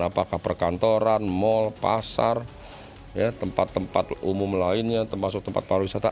apakah perkantoran mal pasar tempat tempat umum lainnya termasuk tempat pariwisata